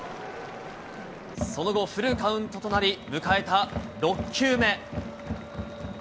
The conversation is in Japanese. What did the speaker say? その後、フルカウントとなり、迎えた６球目。